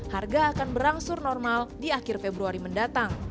harga akan berangsur normal di akhir februari mendatang